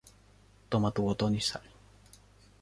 Toma tu botón y sal.